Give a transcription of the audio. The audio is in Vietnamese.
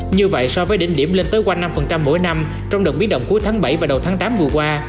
như vậy so với đỉnh điểm lên tới quanh năm mỗi năm trong đợt biến động cuối tháng bảy và đầu tháng tám vừa qua